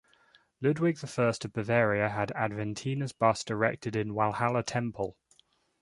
Ludwig I of Bavaria had Aventinus' bust erected in the Walhalla temple.